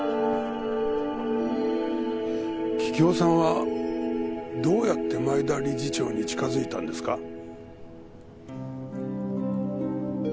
桔梗さんはどうやって前田理事長に近付いたんですか？